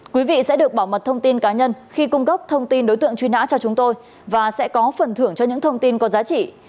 quý vị sẽ được bảo mật thông tin cá nhân khi cung cấp thông tin đối tượng truy nã cho chúng tôi và sẽ có phần thưởng cho những thông tin có giá trị